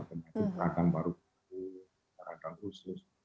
penyakit keragam parut keragam usus